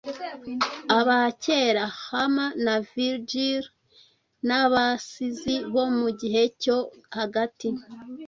abakera Homer na Virgil, n'abasizi bo mu gihe cyo hagati